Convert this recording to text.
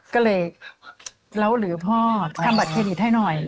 ก็เลยแล้วหรือพ่อทำบัตรเครดิตให้หน่อย